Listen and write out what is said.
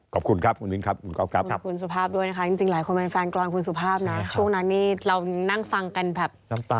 ขอบคุณครับคุณมินครับ